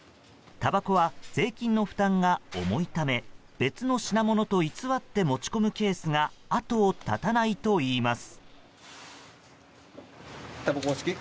たばこは税金の負担が重いため別の品物と偽って持ち込むケースが後を絶たないといいます。